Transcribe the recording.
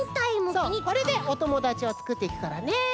そうこれでおともだちをつくっていくからね！